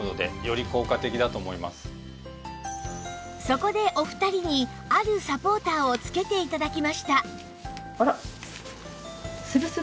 そこでお二人にあるサポーターを着けて頂きました